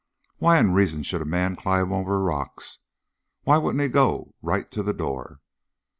"Why in reason should a man climb over rocks? Why wouldn't he go right to the door?"